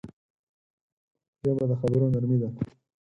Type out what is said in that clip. ژبه د خبرو نرمي ده